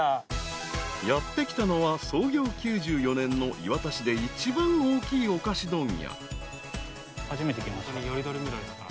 ［やって来たのは創業９４年の磐田市で一番大きいお菓子問屋］より取り見取りだから。